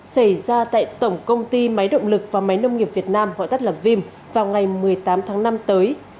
xảy ra tại tổng công ty máy động lực và máy nông nghiệp việt nam gọi tắt là vim vào ngày một mươi tám tháng năm tới